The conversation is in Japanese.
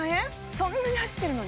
そんなに走ってるのに？